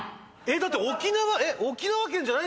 だって「沖縄県」じゃないんすか？